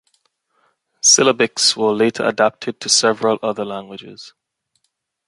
Syllabics were later adapted to several other languages.